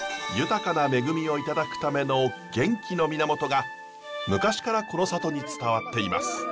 豊かな恵みをいただくための元気の源が昔からこの里に伝わっています。